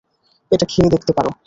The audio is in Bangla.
এটা খেয়ে দেখতে পারো।